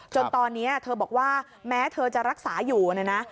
จนตอนนี้เธอบอกว่าแม้เธอจะรักษาอยู่เนี่ยนะ